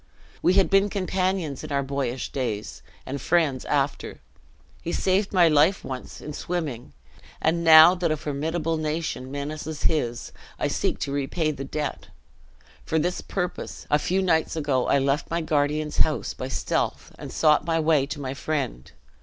We had been companions in our boyish days, and friends after. He saved my life once, in swimming; and now that a formidable nation menaces his, I seek to repay the debt. For this purpose, a few nights ago I left my guardian's house by stealth, and sought my way to my friend.